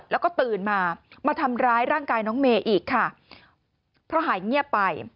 แล้วก็ตื่นมามาทำร้ายร่างกายน้องเมย์อีกค่ะเพราะหายเงียบไป